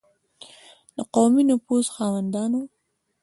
د قومي نفوذ خاوندانو.